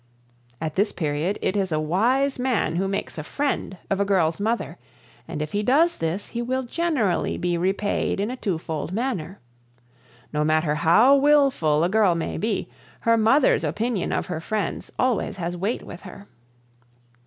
At this period it is a wise man who makes a friend of a girl's mother, and if he does this he will generally be repaid in a twofold manner. No matter how willful a girl may be, her mother's opinion of her friends always has weight with her.